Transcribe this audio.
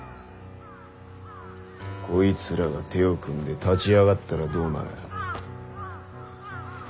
こいつらが手を組んで立ち上がったらどうなる？